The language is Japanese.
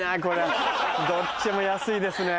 どっちも安いですねぇ。